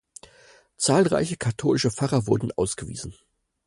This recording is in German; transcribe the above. Zahlreiche katholische Pfarrer wurden ausgewiesen.